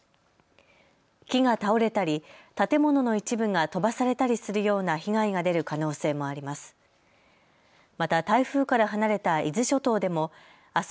木が倒れたり建物の一部が飛ばされたりするような被害が出る可能性もあります。